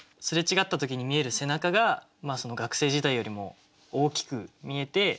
すれ違った時に見える背中が学生時代よりも大きく見えて。